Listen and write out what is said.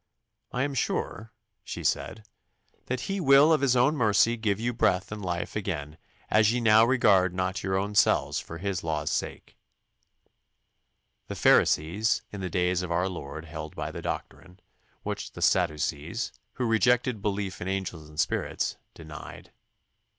"I am sure," she said, "that He will of His own mercy give you breath and life again as ye now regard not your own selves for His laws' sake." The Pharisees in the days of our Lord held by the doctrine, which the Sadducees, who rejected belief in angels and spirits, denied.